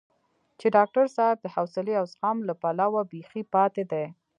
چې ډاکټر صاحب د حوصلې او زغم له پلوه بېخي پاتې دی.